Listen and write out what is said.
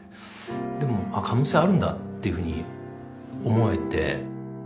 でも可能性あるんだっていうふうに思えて。